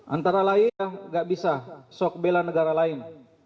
antara lain gak bisa sok bela negara lain